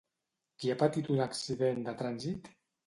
Qui ha patit un accident de trànsit?